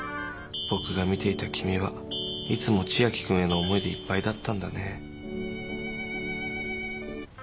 僕が見ていた君はいつも千秋君への思いでいっぱいだったんだね。